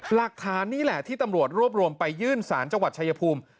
หลักฐานนี่แหละที่ตำรวจรวบรวมไปยื่นสารจังหวัดชายภูมิ